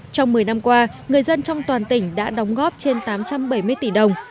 trong một mươi năm qua người dân trong toàn tỉnh đã đóng góp trên tám trăm bảy mươi tỷ đồng